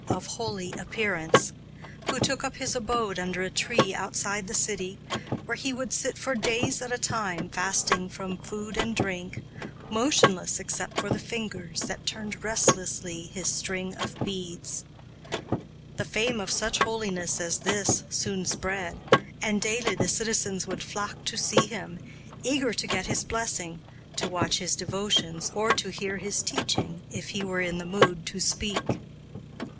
] of holy appearance, who took up his abode under a tree outside the city, where he would sit for days at a time fasting from food and drink, motionless except for the fingers that turned restlessly his string of beads. The fame of such holiness as this soon spread, and daily the citizens would flock to see him, eager to get his blessing, to watch his devotions, or to hear his teaching, if he were in the mood to speak.